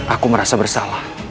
aku merasa bersalah